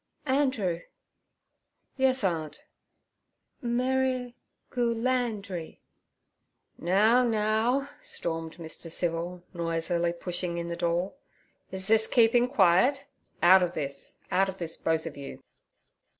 'Andrew!' 'Yes, aunt.' 'Merri—gu—lan—dri.' 'Now, now' stormed Mr. Civil, noisily pushing in the door. 'Is this keeping quiet? Out of this, out of this, both of you.'